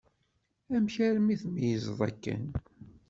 Amek armi tmeyyzeḍ akken?